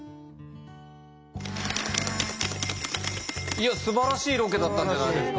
いやすばらしいロケだったんじゃないですか。